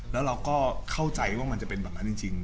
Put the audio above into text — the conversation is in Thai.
แล้วเราก็เข้าใจว่ามันจะเป็นแบบนั้นจริง